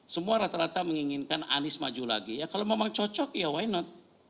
semua rata rata menginginkan anies maju lagi ya kalau memang cocok ya why not